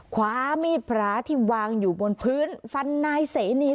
คว้ามีดพระที่วางอยู่บนพื้นฟันนายเสนี